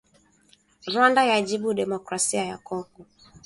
Rwanda yajibu Demokrasia ya Kongo